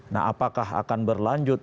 nah apakah akan berlanjut